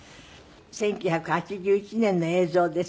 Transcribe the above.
１９８１年の映像です。